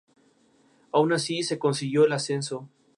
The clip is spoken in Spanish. La sede de condado es Poplar Bluff.